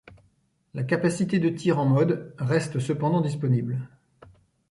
La capacité de tir en mode reste cependant disponible.